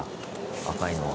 赤いのが。